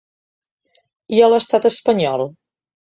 I a l’estat espanyol?